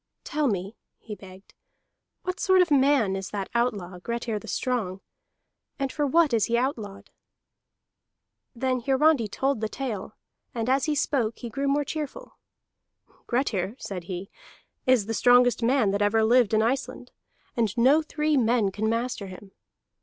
"Tell me," he begged, "what sort of man is that outlaw Grettir the Strong, and for what is he outlawed?" Then Hiarandi told the tale, and as he spoke he grew more cheerful. "Grettir," said he, "is the strongest man that ever lived in Iceland, and no three men can master him.